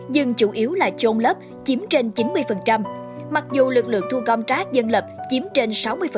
dân chủ yếu là chôn lớp chiếm trên chín mươi mặc dù lực lượng thu gom rác dân lập chiếm trên sáu mươi